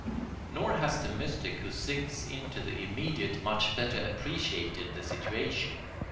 Nor has the mystic who sinks into the immediate much better appreciated the situation.